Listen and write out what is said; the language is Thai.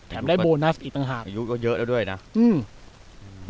ได้โบนัสอีกต่างหากอายุก็เยอะแล้วด้วยน่ะอืม